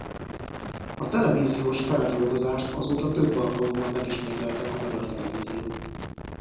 A televíziós feldolgozást azóta több alkalommal megismételte a Magyar Televízió.